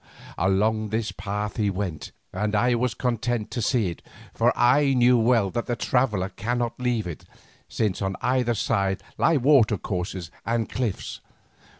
Along this path he went, and I was content to see it, for I knew well that the traveller cannot leave it, since on either side lie water courses and cliffs.